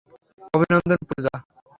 অভিনন্দন, পূজা।